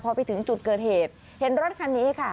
พอไปถึงจุดเกิดเหตุเห็นรถคันนี้ค่ะ